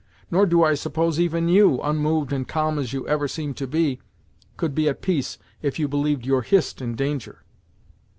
Nor do I suppose even you, unmoved and calm as you ever seem to be, could be at peace if you believed your Hist in danger."